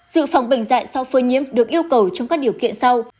dự phòng bệnh dạy sau phơi nhiễm được yêu cầu trong các điều kiện sau